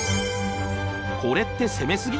「これって攻めすぎ！？